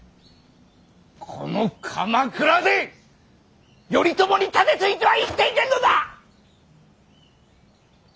この鎌倉で頼朝に盾ついては生きていけんのだ！